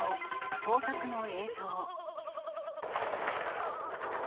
捜索の映像。